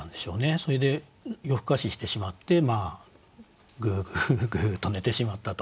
それで夜更かししてしまってぐうぐうぐうと寝てしまったと。